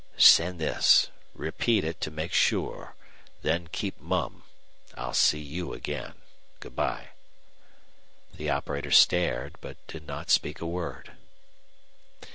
"Send this repeat it to make sure then keep mum. I'll see you again. Good by." The operator stared, but did not speak a word.